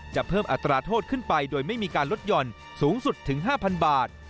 เพิ่มอัตราโทษขึ้นไปโดยไม่มีการลดหย่อนสูงสุดถึง๕๐๐บาท